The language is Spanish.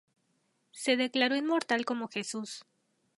Se declaró inmortal como Jesús.